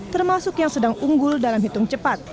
termasuk yang sedang unggul dalam hitung cepat